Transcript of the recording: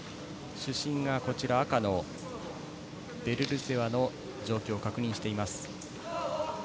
主審が赤のベルルツェワの状況を確認しています。